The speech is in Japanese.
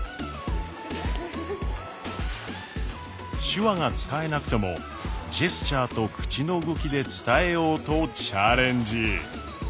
手話が使えなくてもジェスチャーと口の動きで伝えようとチャレンジ。